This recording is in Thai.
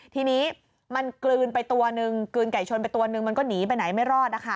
ทีนี้มันกลืนไก่ชนไปตัวนึงก็หนีไปไหนไม่รอด